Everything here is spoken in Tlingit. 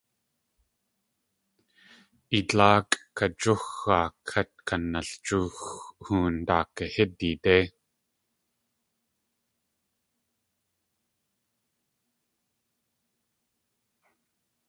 I dlaakʼ kajúxaa kát kanaljoox hoon daakahídidé.